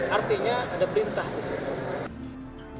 artinya ada perintah di situ